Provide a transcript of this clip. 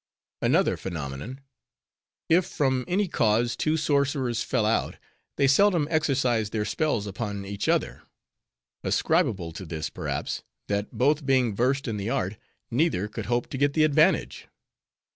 Another phenomenon: If from any cause, two sorcerers fell out, they seldom exercised their spells upon each other; ascribable to this, perhaps,—that both being versed in the art, neither could hope to get the advantage.